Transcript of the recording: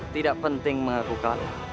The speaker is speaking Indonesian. tidak penting mengaku kalah